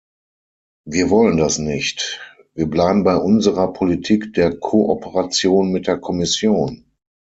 Wir wollen das nicht, wir bleiben bei unserer Politik der Kooperation mit der Kommission.